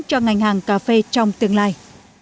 cho ngành hàng cà phê trong tương lai